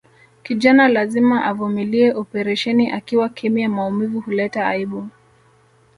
Kijana lazima avumilie operesheni akiwa kimya maumivu huleta aibu